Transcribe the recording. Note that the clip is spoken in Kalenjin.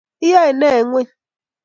Iyoe ne eng ngweny?